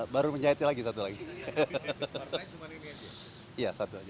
baru menjahit lagi satu lagi